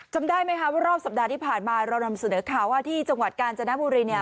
จำได้ไหมคะว่ารอบสัปดาห์ที่ผ่านมาเรานำเสนอข่าวว่าที่จังหวัดกาญจนบุรีเนี่ย